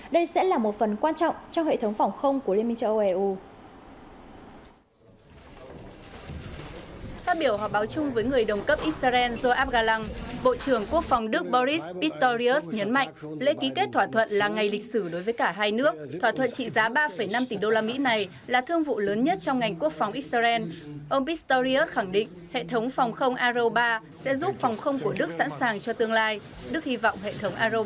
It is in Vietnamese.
đây sẽ là một phần quan trọng cho hệ thống phòng không của liên minh châu âu eu